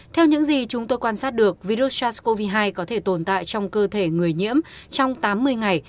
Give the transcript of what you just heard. theo những gì chúng tôi quan sát được virus sars cov hai có thể tồn tại trong cơ thể người nhiễm trong tám mươi ngày